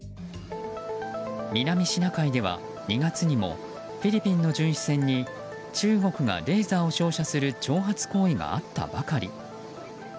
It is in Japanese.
南シナ海では２月にもフィリピンの巡視船に中国がレーザーを照射する挑発行為があったばかり。